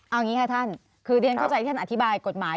เอาอย่างนี้ค่ะท่านคือเรียนเข้าใจท่านอธิบายกฎหมาย